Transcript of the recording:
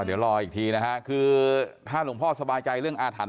เดี๋ยวรออีกทีนะฮะคือถ้าหลวงพ่อสบายใจเรื่องอาถรรพ